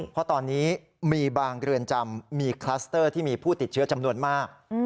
เพราะตอนนี้มีบางเรือนจำมีคลัสเตอร์ที่มีผู้ติดเชื้อจำนวนมาก